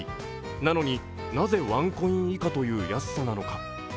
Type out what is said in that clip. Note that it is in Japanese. なのになぜワンコイン以下という安さなのか。